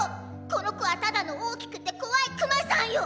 この子はただの大きくてこわいくまさんよ！